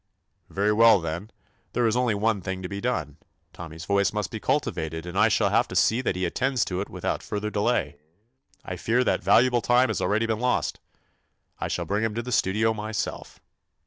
"Very well, then, there is only one thing to be done. Tommy's voice must be cultivated, and I shall have to see that he attends to it without further delay. I fear that valuable time has already been lost. I shall 89 THE ADVENTURES OF bring him to the studio myself.